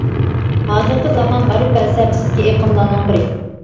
ھازىرقى زامان غەرب پەلسەپىسىدىكى ئېقىملارنىڭ بىرى.